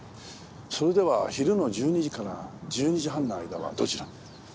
それでは昼の１２時から１２時半の間はどちらに？